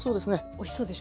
おいしそうでしょ？